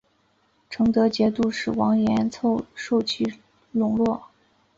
成德节度使王廷凑受其笼络。